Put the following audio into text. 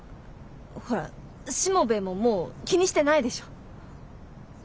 ほらしもべえももう気にしてないでしょ？